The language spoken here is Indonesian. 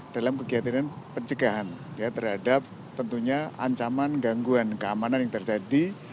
dalam kegiatan pencegahan terhadap tentunya ancaman gangguan keamanan yang terjadi